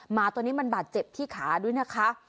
หมาตัวนี้มันบาดเจ็บที่ขาด้วยนะคะ